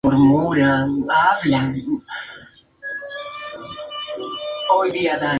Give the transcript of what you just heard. Es una especie solitaria y territorial.